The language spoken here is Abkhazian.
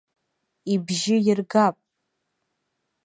Ибжьы иргап.